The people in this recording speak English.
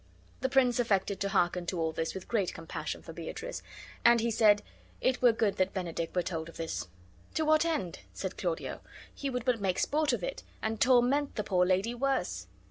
The prince affected to harken to all this with great compassion for Beatrice, and he said, "It were good that Benedick were told of this." "To what end?" said Claudio. "He would but make sport of it, and torment the poor lady worse."